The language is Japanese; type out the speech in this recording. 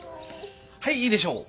はいいいでしょう。